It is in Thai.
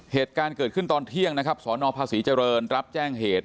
เหตุการณ์เกิดขึ้นตอนเที่ยงนะครับสนภาษีเจริญรับแจ้งเหตุ